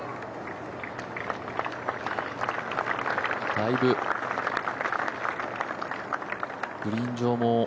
だいぶグリーン上も。